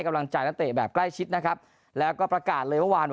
กำลังใจนักเตะแบบใกล้ชิดนะครับแล้วก็ประกาศเลยเมื่อวาน